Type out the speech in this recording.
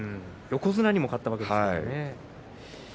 横綱にも勝ったわけですから。